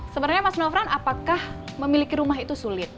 sebenarnya mas nofran apakah memiliki rumah itu sulit